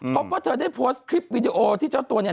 พบว่าเธอได้โพสต์คลิปวิดีโอที่เจ้าตัวเนี่ย